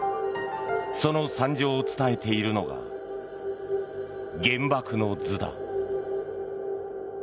その惨状を伝えているのが「原爆の図」だ。